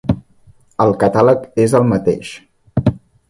El catàleg és el mateix.